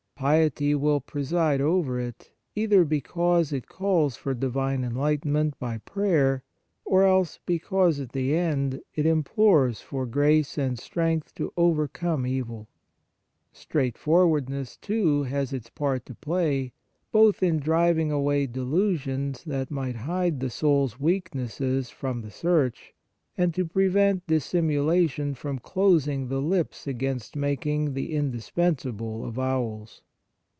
Piety will preside over it, either because it calls for divine enlightenment by prayer, or else because, at the end, it implores for grace and strength to overcome On the Exercises of Piety evil. Straightforwardness, too, has its part to play, both in driving away delusions that might hide the soul s weaknesses from the search, and to prevent dissimulation from closing the lips against making the indis pensable avowals.